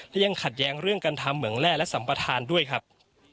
และยังขัดแย้งเรื่องการทำเหมืองแร่และสัมปทานด้วยครับ